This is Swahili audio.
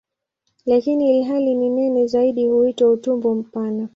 Lakini ilhali ni nene zaidi huitwa "utumbo mpana".